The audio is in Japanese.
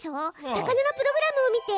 魚のプログラムを見て！